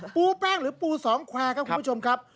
ปูแป้งหรือปูสองแควร์ครับคุณผู้ชมครับ